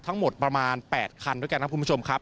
ทั้งหมดประมาณ๘คันด้วยกันครับคุณผู้ชมครับ